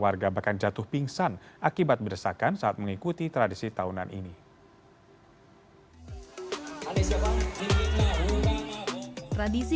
warga bahkan jatuh pingsan akibat berdesakan saat mengikuti tradisi tahunan ini tradisi